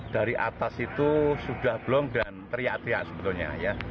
dari atas itu sudah blong dan teriak teriak sebetulnya ya